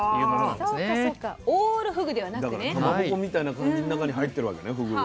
だからかまぼこみたいな感じの中に入ってるわけねふぐが。